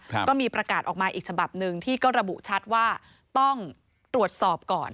ก็มีประกาศออกมาอีกฉบับหนึ่งที่ก็ระบุชัดว่าต้องตรวจสอบก่อน